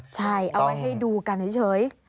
ใช่เอาไว้ให้ดูกันเฉย